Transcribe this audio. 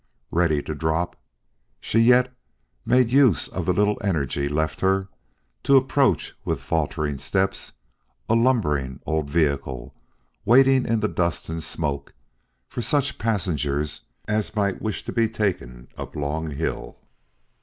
Ready to drop, she yet made use of the little energy left her, to approach with faltering steps a lumbering old vehicle waiting in the dust and smoke for such passengers as might wish to be taken up Long Hill.